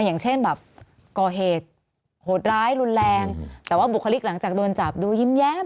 อย่างเช่นแบบก่อเหตุโหดร้ายรุนแรงแต่ว่าบุคลิกหลังจากโดนจับดูยิ้มแย้ม